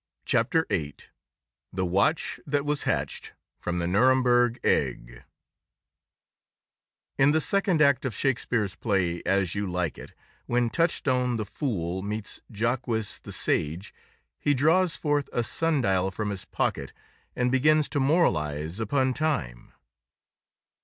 CHAPTER EIGHT The Watch that Was Hatched from the "Nuremburg Egg" In the second act of Shakespeare's play, As You Like It, when Touchstone, the fool, meets Jaques, the sage, he draws forth a sun dial from his pocket and begins to moralize upon Time.